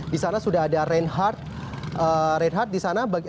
di sana sudah ada reinhardt